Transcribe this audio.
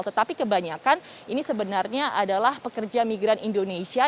tetapi kebanyakan ini sebenarnya adalah pekerja migran indonesia